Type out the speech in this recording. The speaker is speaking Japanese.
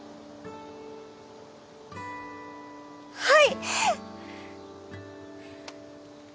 はい！